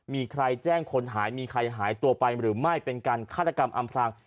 มีใครแจ้งคนหายมีใครหายตัวไปหรือไม่เป็นการฆาตกรรมอำพราง